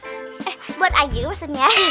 eh buat ayu maksudnya